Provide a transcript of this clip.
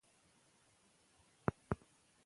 پي پي پي د خوب له محرومیت سره تړاو لري.